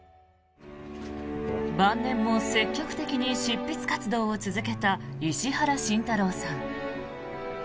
晩年も積極的に執筆活動を続けた石原慎太郎さん。